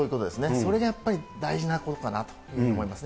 それがやっぱり大事なことかなと思いますね。